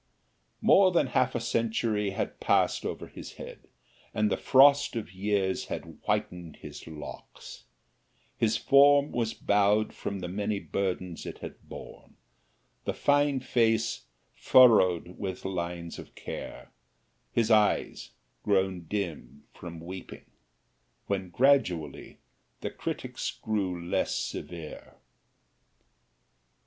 More than half a century had passed over his head, and the frost of years had whitened his locks; his form was bowed from the many burdens it had borne; the fine face furrowed with lines of care; his eyes grown dim from weeping when gradually the critics grew less severe.